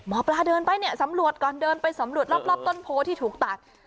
หมอปลาเดินไปเนี่ยสำรวจก่อนเดินไปสำรวจรอบต้นโพที่ถูกตัด